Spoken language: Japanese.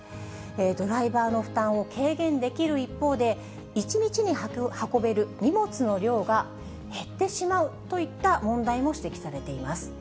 ドライバーの負担を軽減できる一方で、１日に運べる荷物の量が減ってしまうといった問題も指摘されています。